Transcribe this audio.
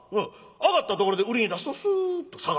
上がったところで売りに出すとすっと下がる。